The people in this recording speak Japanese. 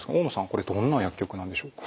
これどんな薬局なんでしょうか？